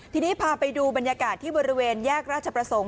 ทีนี้พาไปดูบรรยากาศที่บริเวณแยกราชประสงค์